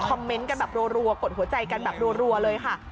เมนต์กันแบบรัวกดหัวใจกันแบบรัวเลยค่ะ